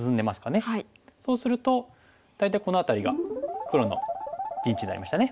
そうすると大体この辺りが黒の陣地になりましたね。